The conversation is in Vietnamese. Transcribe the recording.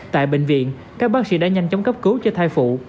tại bệnh viện các bác sĩ đã nhanh chóng cấp cứu cho thai phụ